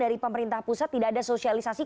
dari pemerintah pusat tidak ada sosialisasi